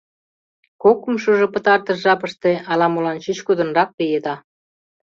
Кокымшыжо пытартыш жапыште ала-молан чӱчкыдынрак лиеда.